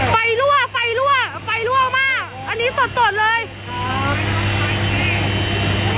รั่วไฟรั่วไฟรั่วมากอันนี้สดสดเลย